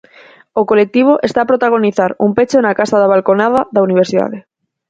O colectivo está a protagonizar un peche na casa da Balconada da Universidade.